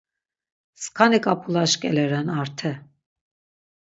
“Skani Ǩap̌ulaş ǩele ren Arte!”